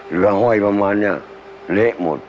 เหลือห้อยประมาณเนี่ยเละหมด